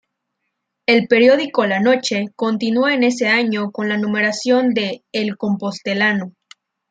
El periódico "La Noche" continuó en ese año con la numeración de "El Compostelano".